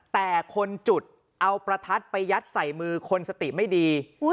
แต่คนจุดเอาประทัดไปยัดใส่มือคนสติไม่ดี